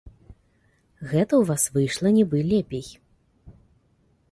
Гэта ў вас выйшла нібы лепей.